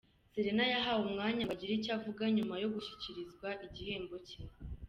Serena yahawe umwanya ngo agire icyo avuga nyuma yo gushyikirizwa igihembo cye.